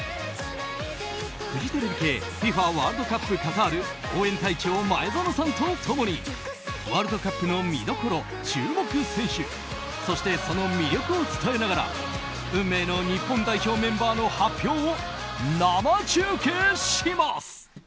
フジテレビ系ＦＩＦＡワールドカップカタール応援隊長、前園さんとともにワールドカップの見どころ注目選手そしてその魅力を伝えながら運命の日本代表メンバーの発表を生中継します。